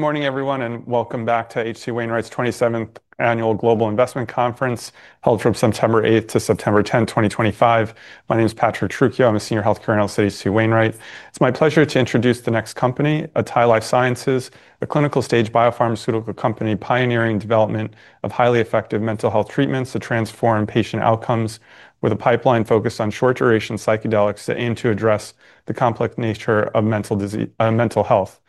Good morning, everyone, and welcome back to HC Wainwright's 27th Annual Global Investment Conference, held from September 8th to September 10th, 2025. My name is Patrick Truchio. I'm a Senior Healthcare Analyst at HC Wainwright. It's my pleasure to introduce the next company, atai Life Sciences, a clinical-stage biopharmaceutical company pioneering the development of highly effective mental health treatments to transform patient outcomes with a pipeline focused on short-duration psychedelics that aim to address the complex nature of mental health,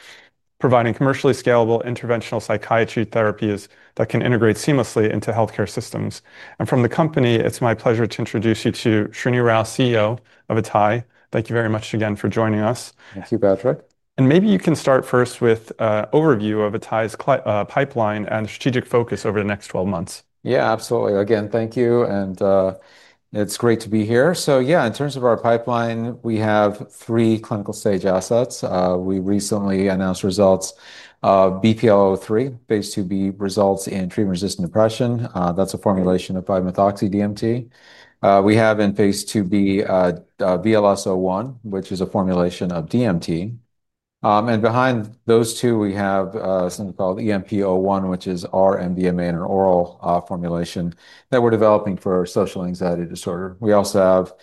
providing commercially scalable interventional psychiatry therapies that can integrate seamlessly into healthcare systems. From the company, it's my pleasure to introduce you to Srinivas Rao, CEO of atai. Thank you very much again for joining us. Thank you, Patrick. Maybe you can start first with an overview of atai Life Sciences' pipeline and strategic focus over the next 12 months. Yeah, absolutely. Again, thank you, and it's great to be here. In terms of our pipeline, we have three clinical stage assets. We recently announced results of BPL-003, phase 2B results in treatment-resistant depression. That's a formulation of 5-MeO-DMT. We have in phase 2B VLS-01, which is a formulation of DMT. Behind those two, we have something called EMP-01, which is R-MDMA, an oral formulation that we're developing for social anxiety disorder. We also have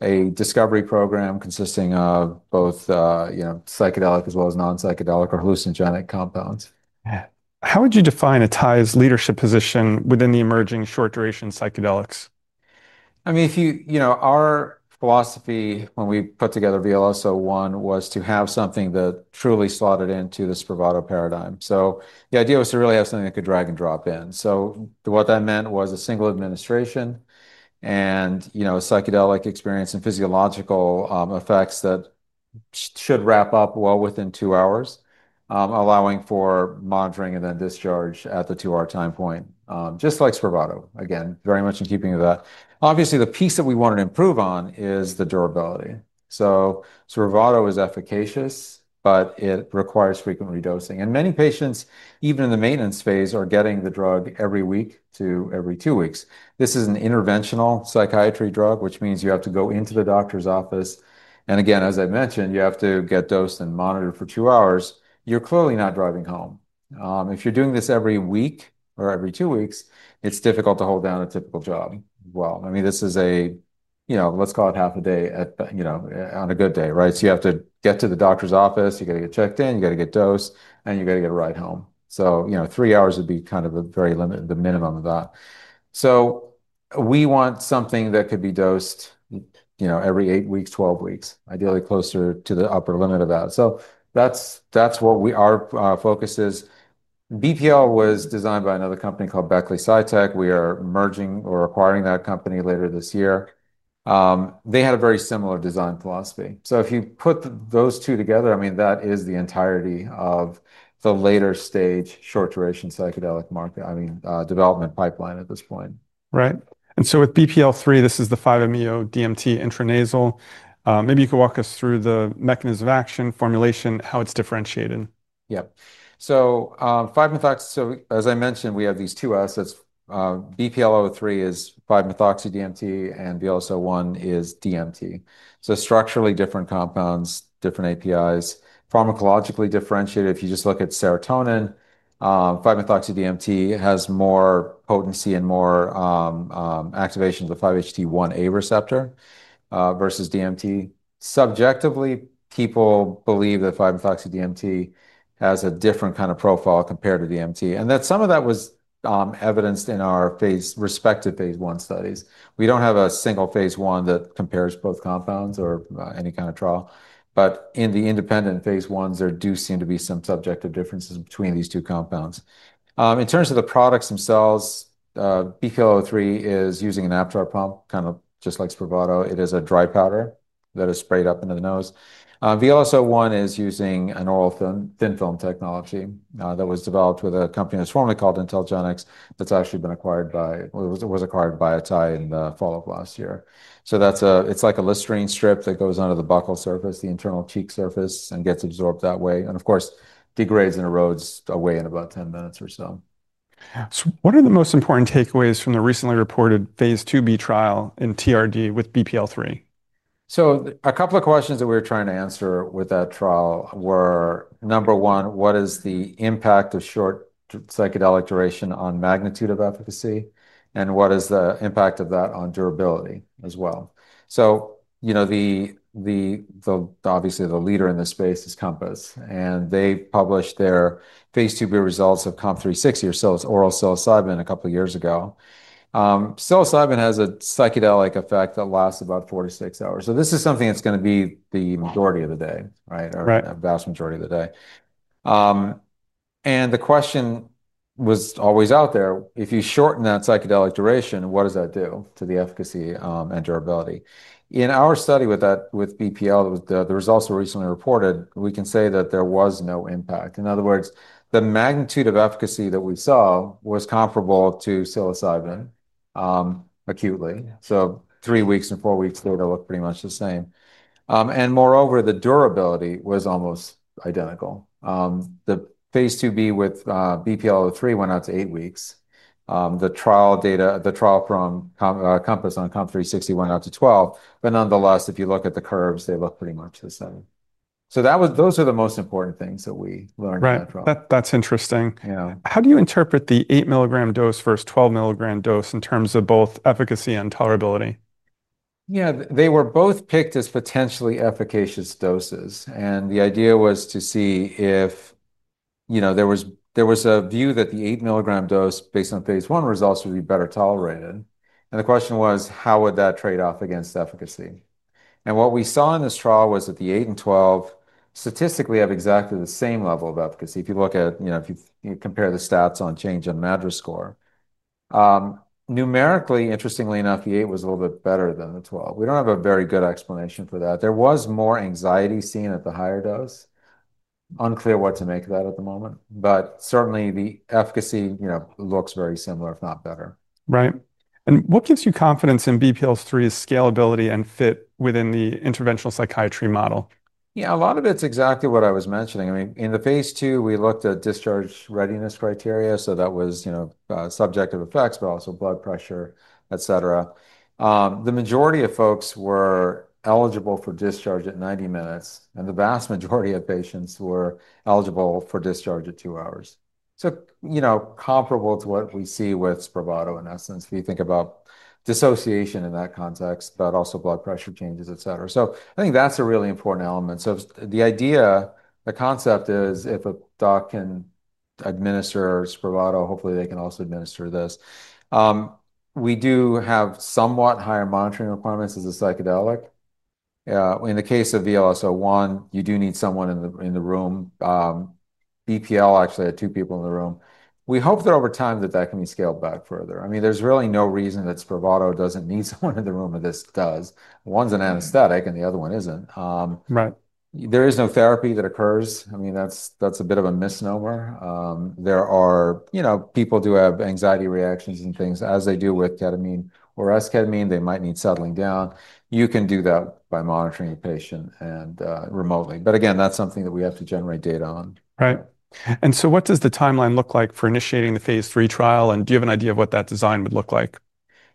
a discovery program consisting of both psychedelic as well as non-psychedelic or hallucinogenic compounds. How would you define atai Life Sciences' leadership position within the emerging short-duration psychedelics? I mean, if you know our philosophy when we put together VLS-01 was to have something that truly slotted into the Spravato paradigm. The idea was to really have something that could drag and drop in. What that meant was a single administration and a psychedelic experience and physiological effects that should wrap up well within two hours, allowing for monitoring and then discharge at the two-hour time point, just like Spravato. Again, very much in keeping with that. Obviously, the piece that we want to improve on is the durability. Spravato is efficacious, but it requires frequent re-dosing. Many patients, even in the maintenance phase, are getting the drug every week to every two weeks. This is an interventional psychiatry drug, which means you have to go into the doctor's office. As I mentioned, you have to get dosed and monitored for two hours. You're clearly not driving home. If you're doing this every week or every two weeks, it's difficult to hold down a typical job. This is a, you know, let's call it half a day at, you know, on a good day, right? You have to get to the doctor's office, you got to get checked in, you got to get dosed, and you got to get a ride home. Three hours would be kind of a very limited, the minimum of that. We want something that could be dosed, you know, every eight weeks, 12 weeks, ideally closer to the upper limit of that. That's what our focus is. BPL-003 was designed by another company called Beckley Psytech Limited. We are merging or acquiring that company later this year. They had a very similar design philosophy. If you put those two together, that is the entirety of the later stage short-duration psychedelic market, I mean, development pipeline at this point. Right. With BPL-003, this is the 5-MeO-DMT intranasal. Maybe you could walk us through the mechanism of action, formulation, how it's differentiated. Yep. 5-MeO-DMT, as I mentioned, we have these two assets. BPL-003 is 5-MeO-DMT and VLS-01 is DMT. Structurally different compounds, different APIs, pharmacologically differentiated. If you just look at serotonin, 5-MeO-DMT has more potency and more activation of the 5-HT1A receptor versus DMT. Subjectively, people believe that 5-MeO-DMT has a different kind of profile compared to DMT, and some of that was evidenced in our respective phase 1 studies. We don't have a single phase 1 that compares both compounds or any kind of trial. In the independent phase 1s, there do seem to be some subjective differences between these two compounds. In terms of the products themselves, BPL-003 is using an Aptar pump, kind of just like Spravato. It is a dry powder that is sprayed up into the nose. VLS-01 is using an oral thin film technology that was developed with a company that was formerly called Intelligenix that's actually been acquired by atai Life Sciences in the fall of last year. It's like a Listerine strip that goes onto the buccal surface, the internal cheek surface, and gets absorbed that way. It degrades and erodes away in about 10 minutes or so. What are the most important takeaways from the recently reported phase 2B trial in TRD with BPL-003? A couple of questions that we were trying to answer with that trial were, number one, what is the impact of short psychedelic duration on magnitude of efficacy? What is the impact of that on durability as well? Obviously, the leader in this space is COMPASS Pathways, and they published their phase 2B results of COMP360, so it's oral psilocybin, a couple of years ago. Psilocybin has a psychedelic effect that lasts about four to six hours. This is something that's going to be the majority of the day, right? The vast majority of the day. The question was always out there, if you shorten that psychedelic duration, what does that do to the efficacy and durability? In our study with BPL-003, the results were recently reported. We can say that there was no impact. In other words, the magnitude of efficacy that we saw was comparable to psilocybin acutely. Three weeks and four weeks data look pretty much the same. Moreover, the durability was almost identical. The phase 2B with BPL-003 went out to eight weeks. The trial data from COMPASS Pathways on COMP360 went out to 12. Nonetheless, if you look at the curves, they look pretty much the same. Those are the most important things that we learned from the trial. Right. That's interesting. Yeah. How do you interpret the 8 milligram dose versus 12 milligram dose in terms of both efficacy and tolerability? Yeah, they were both picked as potentially efficacious doses. The idea was to see if, you know, there was a view that the eight milligram dose based on phase 1 results would be better tolerated. The question was, how would that trade off against efficacy? What we saw in this trial was that the eight and 12 statistically have exactly the same level of efficacy. If you look at, you know, if you compare the stats on change in MADRS score, numerically, interestingly enough, the eight was a little bit better than the 12. We don't have a very good explanation for that. There was more anxiety seen at the higher dose. Unclear what to make of that at the moment. Certainly the efficacy, you know, looks very similar, if not better. Right. What gives you confidence in BPL-003's scalability and fit within the interventional psychiatry model? Yeah, a lot of it's exactly what I was mentioning. I mean, in the phase 2, we looked at discharge readiness criteria. That was, you know, subjective effects, but also blood pressure, et cetera. The majority of folks were eligible for discharge at 90 minutes, and the vast majority of patients were eligible for discharge at two hours. You know, comparable to what we see with Spravato in essence, we think about dissociation in that context, but also blood pressure changes, et cetera. I think that's a really important element. The idea, the concept is if a doc can administer Spravato, hopefully they can also administer this. We do have somewhat higher monitoring requirements as a psychedelic. In the case of VLS-01, you do need someone in the room. BPL-003 actually had two people in the room. We hope that over time that can be scaled back further. There's really no reason that Spravato doesn't need someone in the room and this does. One's an anesthetic and the other one isn't. Right. There is no therapy that occurs. I mean, that's a bit of a misnomer. People do have anxiety reactions and things as they do with ketamine or esketamine. They might need settling down. You can do that by monitoring a patient and remotely. That's something that we have to generate data on. Right. What does the timeline look like for initiating the phase 3 trial? Do you have an idea of what that design would look like?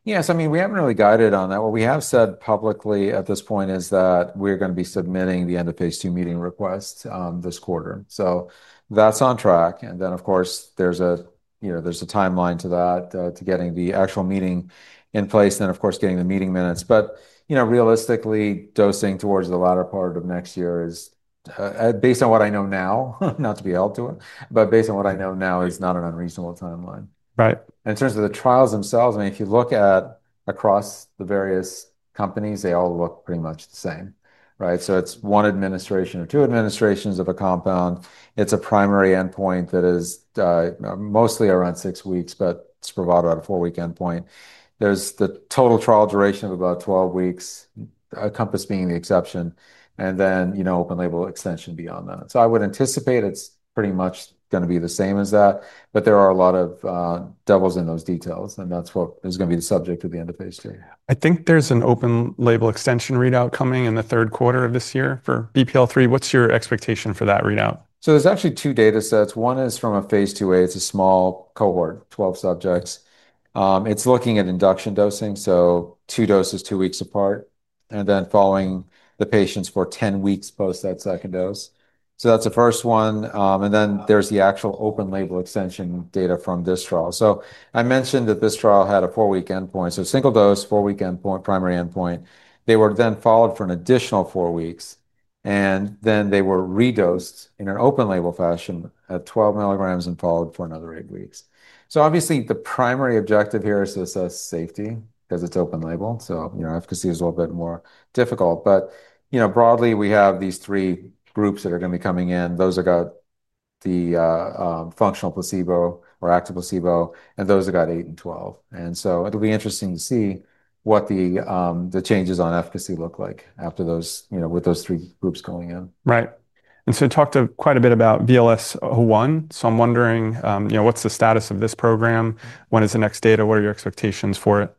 Yes, I mean, we haven't really guided on that. What we have said publicly at this point is that we're going to be submitting the end of phase 2 meeting request this quarter. That's on track. There's a timeline to that, to getting the actual meeting in place and getting the meeting minutes. Realistically, dosing towards the latter part of next year is, based on what I know now, not to be held to it, but based on what I know now is not an unreasonable timeline. Right. In terms of the trials themselves, if you look across the various companies, they all look pretty much the same, right? It's one administration or two administrations of a compound. It's a primary endpoint that is mostly around six weeks, but Spravato had a four-week endpoint. There's the total trial duration of about 12 weeks, COMPASS being the exception, and then open label extension beyond that. I would anticipate it's pretty much going to be the same as that, but there are a lot of devils in those details, and that's what is going to be the subject of the end of phase 3. I think there's an open label extension readout coming in the third quarter of this year for BPL-003. What's your expectation for that readout? There are actually two data sets. One is from a phase 2A. It's a small cohort, 12 subjects. It's looking at induction dosing, so two doses two weeks apart, and then following the patients for 10 weeks post that second dose. That's the first one. Then there's the actual open-label extension data from this trial. I mentioned that this trial had a four-week endpoint, so single dose, four-week endpoint, primary endpoint. They were then followed for an additional four weeks, and then they were re-dosed in an open-label fashion at 12 milligrams and followed for another eight weeks. Obviously, the primary objective here is to assess safety because it's open-label. Efficacy is a little bit more difficult. Broadly, we have these three groups that are going to be coming in. Those are the functional placebo or active placebo, and those that have got eight and 12. It'll be interesting to see what the changes on efficacy look like with those three groups going in. Right. You talked quite a bit about VLS-01. I'm wondering, you know, what's the status of this program? When is the next data? What are your expectations for it?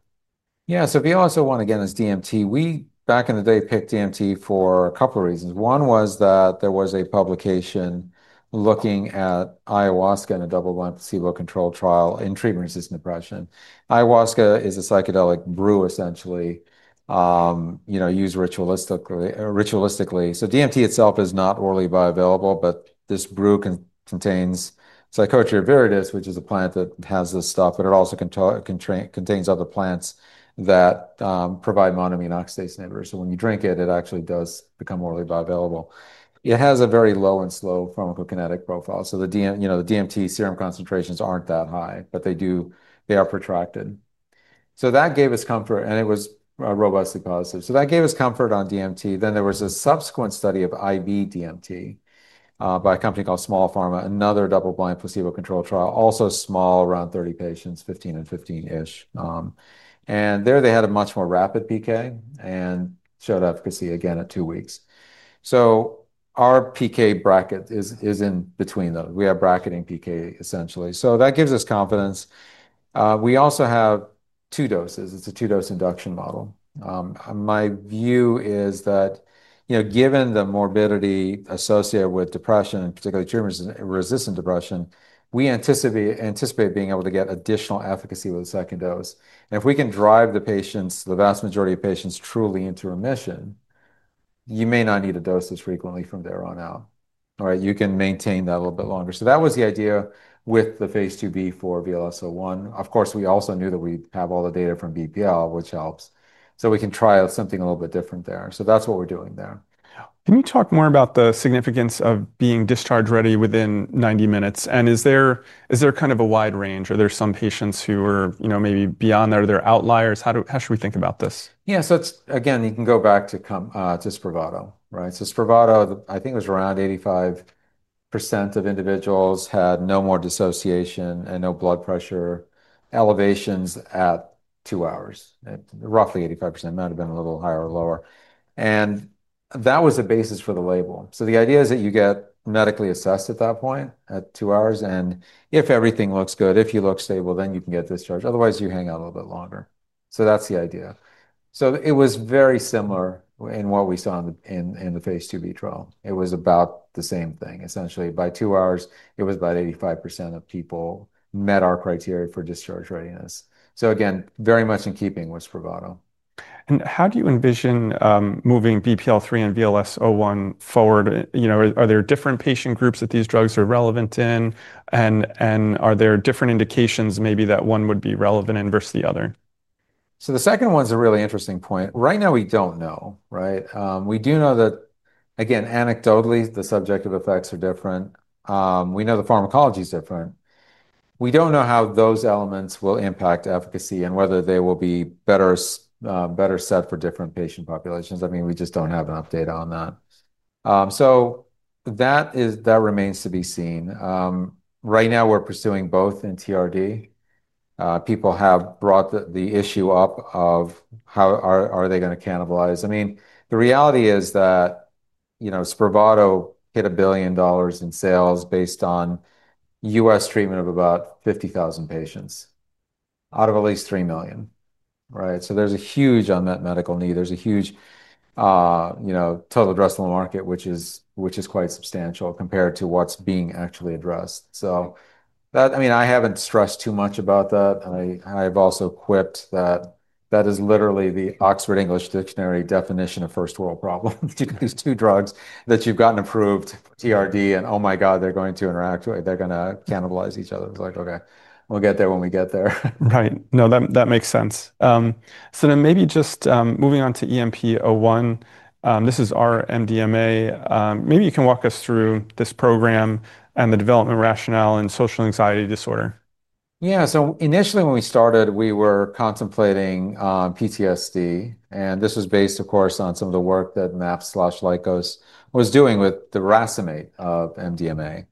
Yeah, so VLS-01, again, is DMT. We, back in the day, picked DMT for a couple of reasons. One was that there was a publication looking at ayahuasca in a double-blind placebo-controlled trial in treatment-resistant depression. Ayahuasca is a psychedelic brew, essentially, you know, used ritualistically. DMT itself is not orally bioavailable, but this brew contains Psychotria viridis, which is a plant that has this stuff, but it also contains other plants that provide monoamine oxidase inhibitors. When you drink it, it actually does become orally bioavailable. It has a very low and slow pharmacokinetic profile. The DMT serum concentrations aren't that high, but they are protracted. That gave us comfort, and it was robustly positive. That gave us comfort on DMT. There was a subsequent study of IV DMT by a company called Small Pharma, another double-blind placebo-controlled trial, also small, around 30 patients, 15 and 15-ish. There they had a much more rapid PK and showed efficacy again at two weeks. Our PK bracket is in between those. We have bracketing PK, essentially. That gives us confidence. We also have two doses. It's a two-dose induction model. My view is that, you know, given the morbidity associated with depression, particularly treatment-resistant depression, we anticipate being able to get additional efficacy with the second dose. If we can drive the patients, the vast majority of patients, truly into remission, you may not need to dose as frequently from there on out. All right, you can maintain that a little bit longer. That was the idea with the phase 2B for VLS-01. Of course, we also knew that we'd have all the data from BPL, which helps. We can try something a little bit different there. That's what we're doing there. Can you talk more about the significance of being discharge ready within 90 minutes? Is there kind of a wide range? Are there some patients who are maybe beyond that? Are there outliers? How should we think about this? Yeah, so it's, again, you can go back to Spravato, right? Spravato, I think it was around 85% of individuals had no more dissociation and no blood pressure elevations at two hours. Roughly 85%. It might have been a little higher or lower. That was the basis for the label. The idea is that you get medically assessed at that point, at two hours, and if everything looks good, if you look stable, then you can get discharged. Otherwise, you hang out a little bit longer. That's the idea. It was very similar in what we saw in the phase 2B trial. It was about the same thing, essentially. By two hours, it was about 85% of people met our criteria for discharge readiness. Again, very much in keeping with Spravato. How do you envision moving BPL-003 and VLS-01 forward? You know, are there different patient groups that these drugs are relevant in? Are there different indications maybe that one would be relevant in versus the other? The second one's a really interesting point. Right now, we don't know, right? We do know that, again, anecdotally, the subjective effects are different. We know the pharmacology is different. We don't know how those elements will impact efficacy and whether they will be better set for different patient populations. We just don't have enough data on that. That remains to be seen. Right now, we're pursuing both in TRD. People have brought the issue up of how are they going to cannibalize. The reality is that, you know, Spravato hit $1 billion in sales based on U.S. treatment of about 50,000 patients out of at least 3 million, right? There's a huge unmet medical need. There's a huge total addressable market, which is quite substantial compared to what's being actually addressed. I haven't stressed too much about that. I've also quipped that that is literally the Oxford English Dictionary definition of first-world problems. Two drugs that you've gotten approved, TRD, and oh my God, they're going to interact. They're going to cannibalize each other. It's like, okay, we'll get there when we get there. Right. No, that makes sense. Maybe just moving on to EMP-01. This is R-MDMA. Maybe you can walk us through this program and the development rationale in social anxiety disorder. Yeah, so initially when we started, we were contemplating PTSD. This was based, of course, on some of the work that MAPS/LIKO was doing with the racemate of MDMA.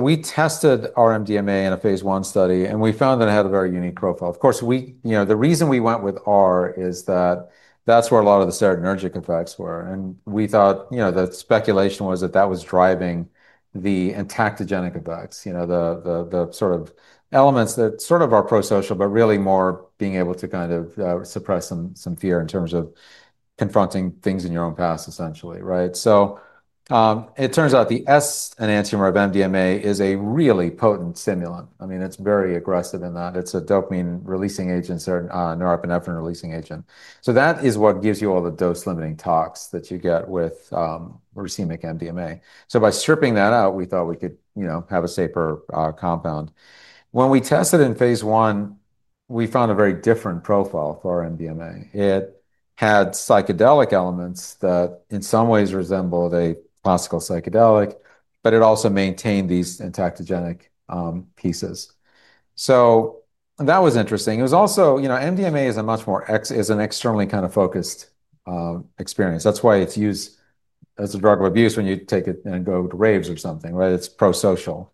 We tested R-MDMA in a phase 1 study, and we found that it had a very unique profile. The reason we went with R is that that's where a lot of the serotonergic effects were. We thought the speculation was that that was driving the entactogenic effects, the sort of elements that are prosocial, but really more being able to suppress some fear in terms of confronting things in your own past, essentially, right? It turns out the S enantiomer of MDMA is a really potent stimulant. It's very aggressive in that. It's a dopamine releasing agent, a norepinephrine releasing agent. That is what gives you all the dose-limiting tox that you get with racemic MDMA. By stripping that out, we thought we could have a safer compound. When we tested in phase 1, we found a very different profile for MDMA. It had psychedelic elements that in some ways resembled a classical psychedelic, but it also maintained these entactogenic pieces. That was interesting. MDMA is a much more externally kind of focused experience. That's why it's used as a drug of abuse when you take it and go to raves or something, right? It's prosocial.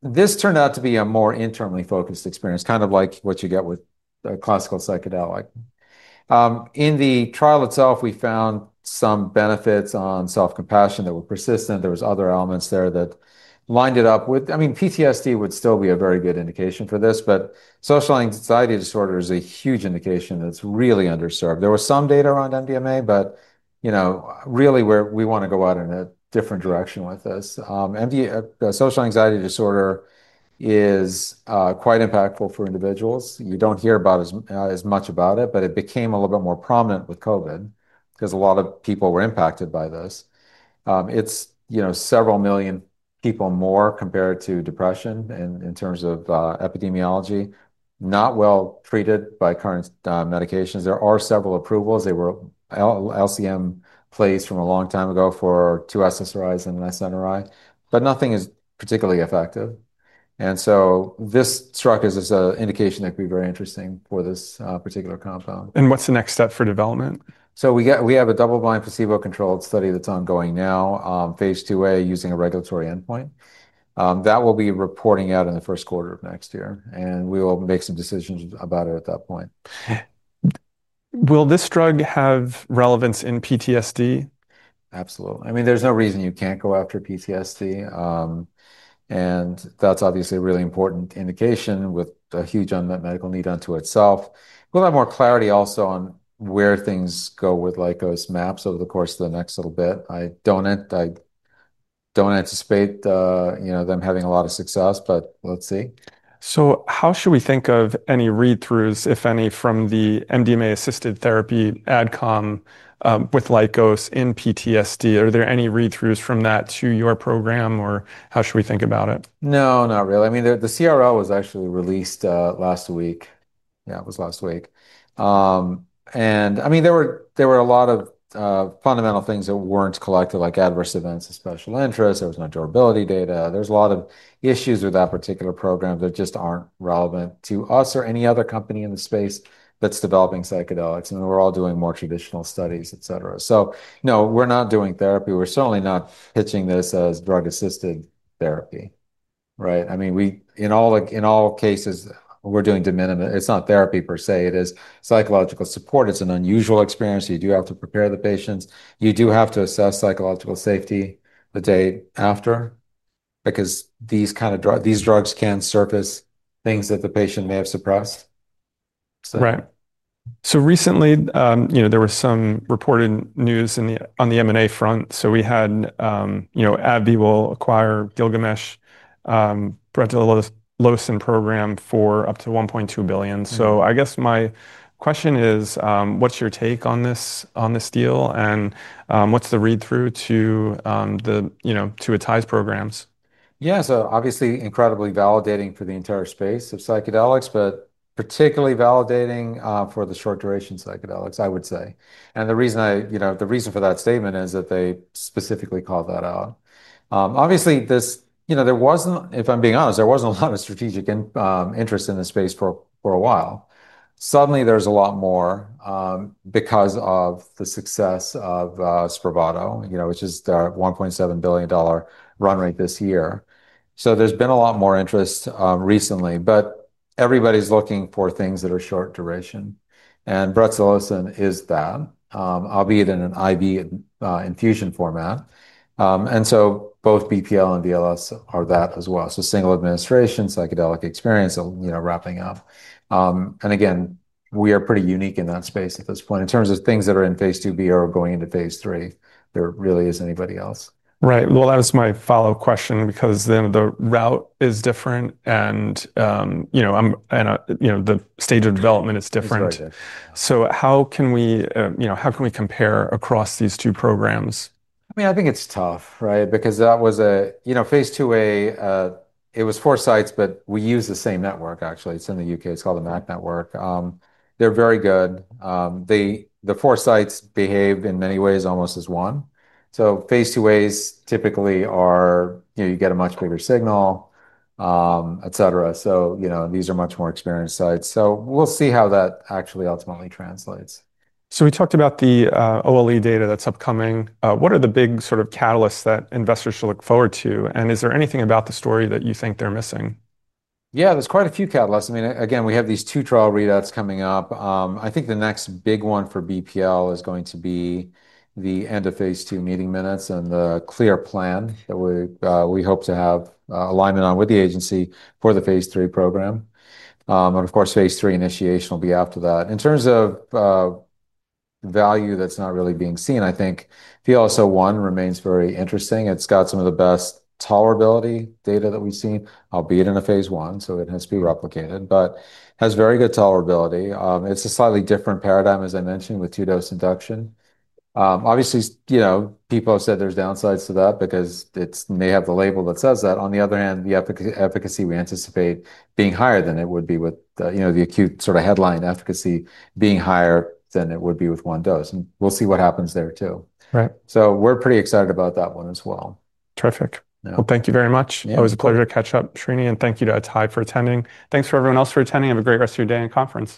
This turned out to be a more internally focused experience, kind of like what you get with a classical psychedelic. In the trial itself, we found some benefits on self-compassion that were persistent. There were other elements there that lined it up with, I mean, PTSD would still be a very good indication for this, but social anxiety disorder is a huge indication that's really underserved. There was some data around MDMA, but really we want to go out in a different direction with this. Social anxiety disorder is quite impactful for individuals. You don't hear as much about it, but it became a little bit more prominent with COVID because a lot of people were impacted by this. It's several million people more compared to depression in terms of epidemiology, not well treated by current medications. There are several approvals. They were LCM plays from a long time ago for 2 SSRIs and SNRI, but nothing is particularly effective. This struck as an indication that could be very interesting for this particular compound. What is the next step for development? We have a double-blind placebo-controlled study that's ongoing now, phase 2A, using a regulatory endpoint. That will be reporting out in the first quarter of next year, and we will make some decisions about it at that point. Will this drug have relevance in PTSD? Absolutely. I mean, there's no reason you can't go after PTSD. That's obviously a really important indication with a huge unmet medical need unto itself. We'll have more clarity also on where things go with MAPS over the course of the next little bit. I don't anticipate them having a lot of success, but let's see. How should we think of any read-throughs, if any, from the MDMA-assisted therapy ADCOM with Lykos in PTSD? Are there any read-throughs from that to your program, or how should we think about it? No, not really. I mean, the CRL was actually released last week. Yeah, it was last week. There were a lot of fundamental things that weren't collected, like adverse events of special interest. There was no durability data. There are a lot of issues with that particular program that just aren't relevant to us or any other company in the space that's developing psychedelics. We're all doing more traditional studies, et cetera. No, we're not doing therapy. We're certainly not pitching this as drug-assisted therapy, right? I mean, in all cases, we're doing de minimis. It's not therapy per se. It is psychological support. It's an unusual experience. You do have to prepare the patients. You do have to assess psychological safety the day after because these kind of drugs can surface things that the patient may have suppressed. Right. Recently, there were some reported news on the M&A front. We had AbbVie will acquire Gilgamesh Pharmaceuticals’ brimonidine program for up to $1.2 billion. I guess my question is, what's your take on this deal and what's the read-through to the, you know, to atai Life Sciences' programs? Yeah, obviously incredibly validating for the entire space of psychedelics, but particularly validating for the short-duration psychedelics, I would say. The reason for that statement is that they specifically called that out. There wasn't, if I'm being honest, a lot of strategic interest in this space for a while. Suddenly, there's a lot more because of the success of Spravato, which is a $1.7 billion run rate this year. There's been a lot more interest recently, but everybody's looking for things that are short duration. Brimonidine is that, albeit in an IV infusion format. Both BPL-003 and VLS-01 are that as well. Single administration, psychedelic experience, wrapping up. We are pretty unique in that space at this point. In terms of things that are in phase 2B or going into phase 3, there really isn't anybody else. Right. That was my follow-up question because the route is different, and, you know, the stage of development is different. How can we, you know, how can we compare across these two programs? I think it's tough, right? Because that was a phase 2A, it was four sites, but we use the same network, actually. It's in the UK. It's called the MAP network. They're very good. The four sites behave in many ways almost as one. Phase 2As typically are, you get a much bigger signal, et cetera. These are much more experienced sites. We'll see how that actually ultimately translates. We talked about the OLE data that's upcoming. What are the big sort of catalysts that investors should look forward to? Is there anything about the story that you think they're missing? Yeah, there's quite a few catalysts. I mean, again, we have these two trial readouts coming up. I think the next big one for BPL-003 is going to be the end of phase 2 meeting minutes and the clear plan that we hope to have alignment on with the agency for the phase 3 program. Phase 3 initiation will be after that. In terms of value that's not really being seen, I think VLS-01 remains very interesting. It's got some of the best tolerability data that we've seen, albeit in a phase 1, so it has to be replicated, but has very good tolerability. It's a slightly different paradigm, as I mentioned, with two-dose induction. Obviously, you know, people have said there's downsides to that because it may have the label that says that. On the other hand, the efficacy we anticipate being higher than it would be with, you know, the acute sort of headline efficacy being higher than it would be with one dose. We'll see what happens there too. Right. We're pretty excited about that one as well. Terrific. Thank you very much. It was a pleasure to catch up, Srini, and thank you to atai for attending. Thanks to everyone else for attending. Have a great rest of your day and conference.